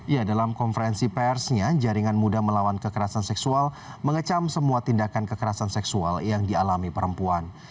ya dalam konferensi persnya jaringan muda melawan kekerasan seksual mengecam semua tindakan kekerasan seksual yang dialami perempuan